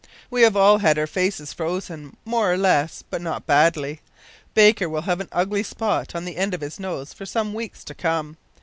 We have all had our faces frozen, more or less, but not badly. Baker will have an ugly spot on the end of his nose for some weeks to come.